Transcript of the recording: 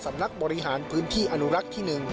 สำนักบริหารพื้นที่อนุรักษ์ที่๑